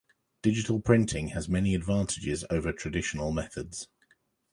Digital printing has many advantages over traditional methods.